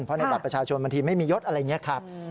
เพราะในบัตรประชาชนบางทีไม่มียศอะไรอย่างนี้ครับ